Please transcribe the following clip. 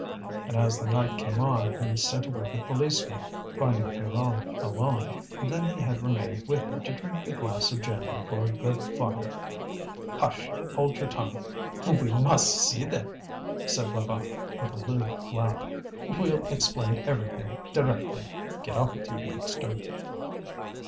And as the night came on he sent away the policemen, finding Pierronne alone; then he had remained with her to drink a glass of gin before a good fire. "Hush! hold your tongue! We must see them," said Levaque, with a lewd laugh. "We'll explain everything directly. Get off with you, youngster."